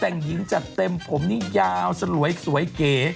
แต่งหญิงจัดเต็มผมนี่ยาวสลวยสวยเก๋